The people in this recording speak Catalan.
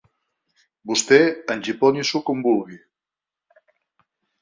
Vostè engiponi-s'ho com vulgui;